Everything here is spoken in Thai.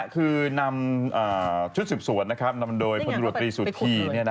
คือตำรวจนำชุดสืบสวนนำมาโดยพนรวดตรีสุทธิ